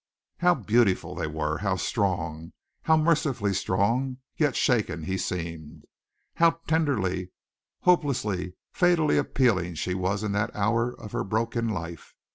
How beautiful they were! How strong, how mercifully strong, yet shaken, he seemed! How tenderly, hopelessly, fatally appealing she was in that hour of her broken life!